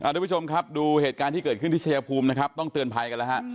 ทุกผู้ชมครับดูเหตุการณ์ที่เกิดขึ้นที่ชายภูมินะครับต้องเตือนภัยกันแล้วฮะ